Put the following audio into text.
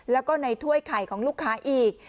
แล้วก็ในถ้วยไข่ของลูกค้าอีก